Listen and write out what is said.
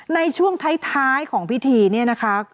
ในช่วงท้ายของพิธีนะคะ